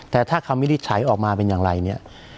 แต่ถ้าคำวินิจฉัยออกมาเป็นอย่างไรเนี่ย